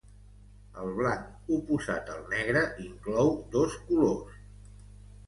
El blanc, oposat al negre, inclou dos colors.